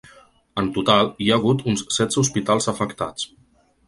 En total, hi ha hagut uns setze hospitals afectats.